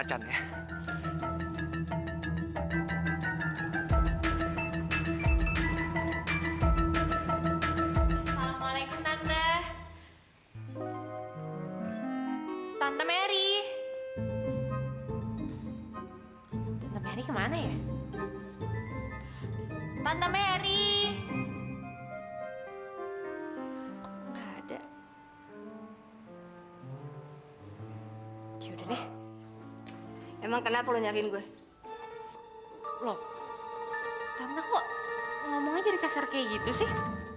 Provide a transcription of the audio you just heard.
tanda kok ngomongnya jadi kasar kayak gitu sih